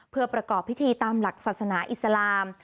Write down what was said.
เพื่อประกอบพิธีตามหลักศาสนาอิสลาม